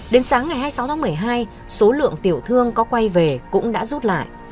đến sáng ngày hai mươi sáu tháng một mươi hai số lượng tiểu thương có quay về cũng đã rút lại